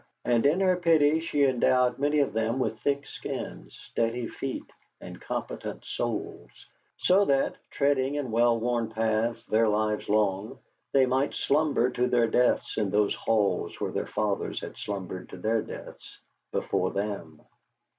And in her pity she endowed many of them with thick skins, steady feet, and complacent souls, so that, treading in well worn paths their lives long, they might slumber to their deaths in those halls where their fathers had slumbered to their deaths before them.